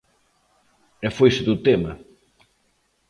E foise do tema.